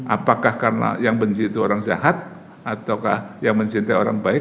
apakah karena yang benci itu orang jahat atau yang mencintai orang baik